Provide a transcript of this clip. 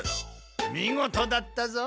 みごとだったぞ。